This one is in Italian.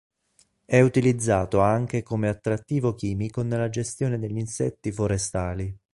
È utilizzato anche come attrattivo chimico nella gestione degli insetti forestali.